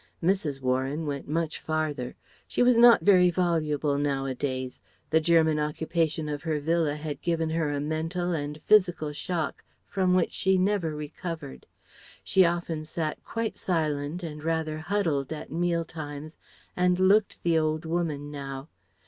Mrs. Warren went much farther. She was not very voluble nowadays. The German occupation of her villa had given her a mental and physical shock from which she never recovered. She often sat quite silent and rather huddled at meal times and looked the old woman now.